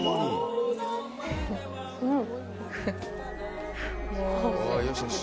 うん！